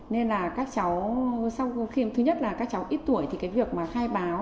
nên là các cháu sau khiếm thứ nhất là các cháu ít tuổi thì cái việc mà khai báo